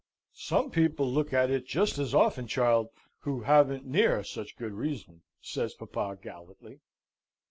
"Some people look at it just as often, child, who haven't near such good reason," says papa, gallantly.